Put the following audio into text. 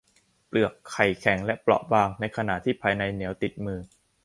เปลือกไข่แข็งและเปราะบาง ในขณะที่ภายในเหนียวติดนิ้วมือ